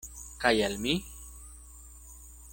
Kaj al mi?